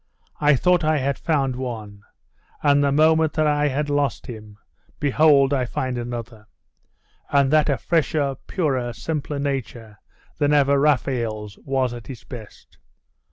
I thought I had found one and the moment that I had lost him, behold, I find another; and that a fresher, purer, simpler nature than ever Raphael's was at its best.